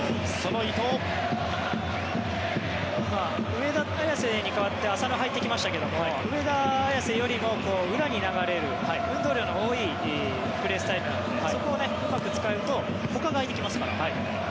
上田綺世に代わって浅野が入ってきましたけど上田綺世よりも裏に流れる、運動量の多いプレースタイルなのでそこをうまく使うとほかが空いてきますから。